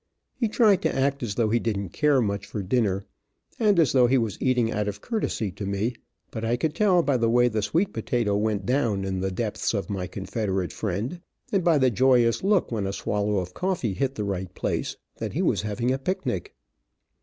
He tried to act as though he didn't care much for dinner, and as though he was eating out of courtesy to me, but I could tell by the way the sweet potato went down in the depths of my Confederate friend, and by the joyous look when a swallow of coffee hit the right place, that he was having a picnic.